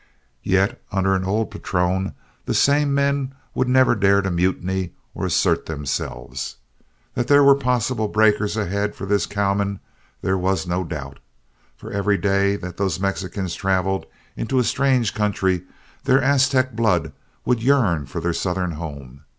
Yet under an old patron, these same men would never dare to mutiny or assert themselves. That there were possible breakers ahead for this cowman there was no doubt; for every day that those Mexicans traveled into a strange country, their Aztec blood would yearn for their Southern home.